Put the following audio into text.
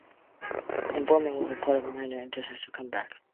Her involvement was a part of a minor international comeback.